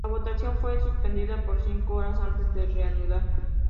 La votación fue suspendida por cinco horas antes de reanudar.